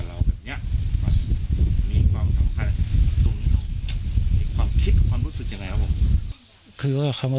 สำคัญตรงนี้ความคิดความรู้สึกยังไงครับผมคือว่าคำ